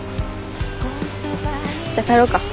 じゃあ帰ろうか。